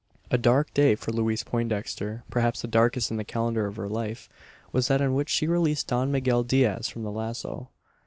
A dark day for Louise Poindexter perhaps the darkest in the calendar of her life was that in which she released Don Miguel Diaz from the lazo.